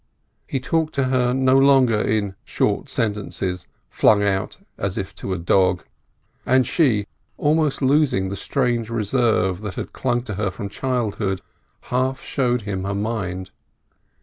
He talked to her no longer in short sentences flung out as if to a dog; and she, almost losing the strange reserve that had clung to her from childhood, half showed him her mind.